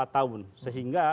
empat tahun sehingga